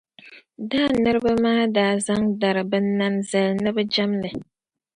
Dan niriba maa daa zaŋ dari binnani zali ni bɛ jɛmdi li.